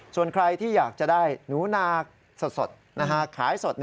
ส่วนใครที่อยากจะได้หนูนาสดขายสด